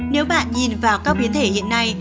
nếu bạn nhìn vào các biến thể hiện nay